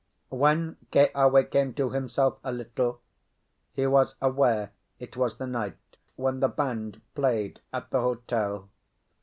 When Keawe came to himself a little, he was aware it was the night when the band played at the hotel.